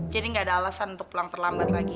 jadi gak ada alasan untuk pulang terlambat lagi